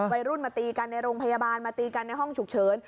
วัยรุ่นมาตีกันในโรงพยาบาลมาตีกันในห้องฉุกเฉิน